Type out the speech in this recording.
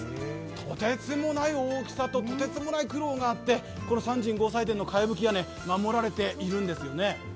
とてつもない大きさととてつもない苦労があってこの三神合祭殿のかやぶき屋根、守られているんですね。